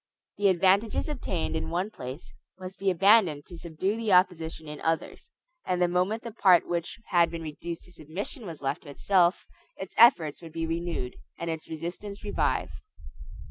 The advantages obtained in one place must be abandoned to subdue the opposition in others; and the moment the part which had been reduced to submission was left to itself, its efforts would be renewed, and its resistance revive.